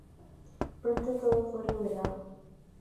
Pronto todo fue revelado.